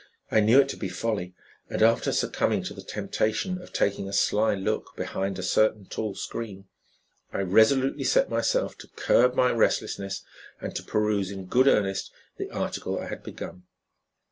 I knew it to be folly, and, after succumbing to the temptation of taking a sly look behind a certain tall screen, I resolutely set myself to curb my restlessness and to peruse in good earnest the article I had begun.